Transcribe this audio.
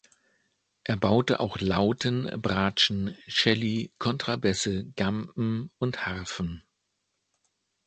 Er baute auch Lauten, Bratschen, Celli, Kontrabässe, Gamben und Harfen.